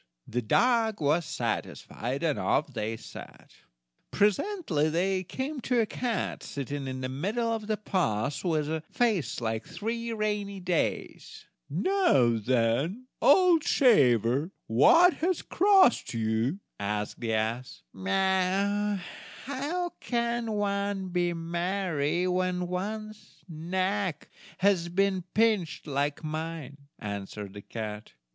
The dog was satisfied, and off they set. Presently they came to a cat, sitting in the middle of the path, with a face like three rainy days! "Now, then, old shaver, what has crossed you?" asked the ass. "How can one be merry when one's neck has been pinched like mine?" answered the cat.